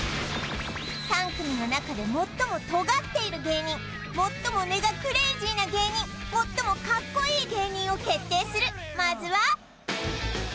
３組の中で最もトガっている芸人最も根がクレイジーな芸人最もカッコいい芸人を決定する！